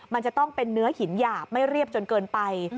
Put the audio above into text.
มันจะต้องเป็นเนื้อหินหยาบไม่เรียบจนเกินไป